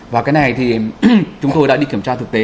và cái này thì chúng tôi đã đi kiểm tra thực tế